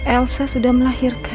elsa sudah melahirkan